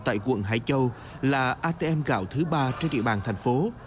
atm gạo tại quận hải châu là atm gạo thứ ba trên địa bàn thành phố